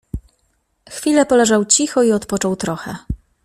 Chwilę poleżał cicho i odpoczął trochę